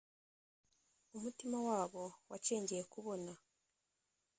Umutima wabo wacengeye kubona